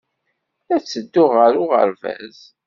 La ttedduɣ ɣer uɣerbaz.